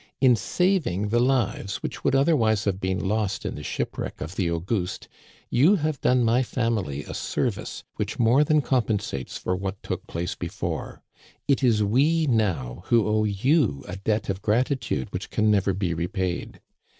In saving the lives which would otherwise have been lost in the shipwreck of the Auguste, you hav« done my family a service which Digitized by VjOOQIC 270 THE CANADIANS OF OLD. more than compensates for what took place before. It is we now who owe you a debt of gratitude which can never be repaid.